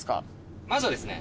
まずはですね。